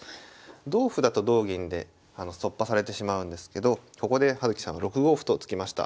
同歩だと同銀で突破されてしまうんですけどここで葉月さんは６五歩と突きました。